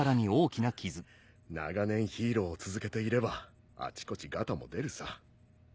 長年ヒーローを続けていればあちこちガタも出るさ。